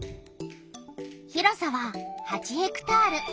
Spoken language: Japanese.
広さは８ヘクタール。